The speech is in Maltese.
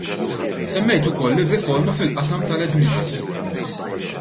Semmejt ukoll ir-riforma fil-qasam tal-admissions.